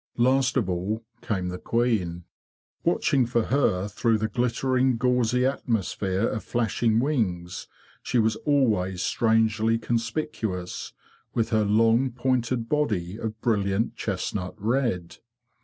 Last of all came the queen. Watching for her through the glittering gauzy atmosphere of flashing wings, she was always strangely conspicuous, with her long pointed body of brilliant chestnut red.